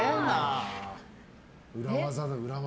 裏技だ、裏技。